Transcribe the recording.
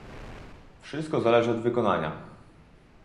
Wszytko zależy od wykonania